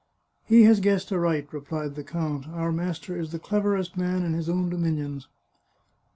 " He has guessed aright," replied the count. " Our master is the cleverest man in his own dominions."